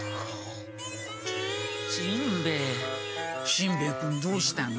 しんべヱ君どうしたの？